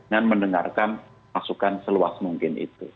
dan mendengarkan masukan seluas mungkin itu